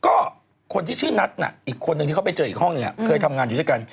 ก็คนที่ชื่อนัทน่ะอีกคนนึงที่เขาไปเจออีกห้องหนึ่งเคยทำงานอยู่ด้วยกัน